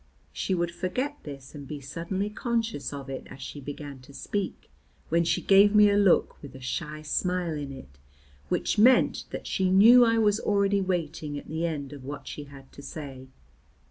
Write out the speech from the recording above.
She would forget this and be suddenly conscious of it as she began to speak, when she gave me a look with a shy smile in it which meant that she knew I was already waiting at the end of what she had to say.